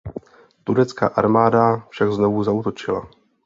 Turecká armáda však znovu zaútočila.